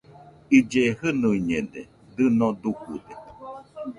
Ille jɨnuiñede, dɨno dujude